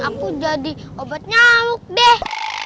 aku jadi obat nyamuk deh